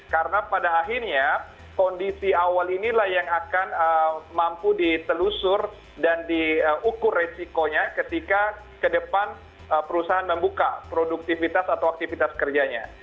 karena pada akhirnya kondisi awal inilah yang akan mampu ditelusur dan diukur resikonya ketika ke depan perusahaan membuka produktivitas atau aktivitas kerjanya